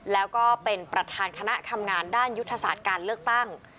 แล้วก็เป็นประธานคณะทำงานด้านยุทธศาสตร์การเลือกตั้ง